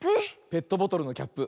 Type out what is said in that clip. ペットボトルのキャップ。